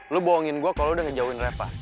lo bohongin gue kalo udah ngejauhin reva